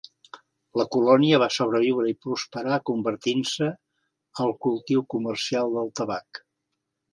La colònia va sobreviure i prosperar convertint-se al cultiu comercial del tabac.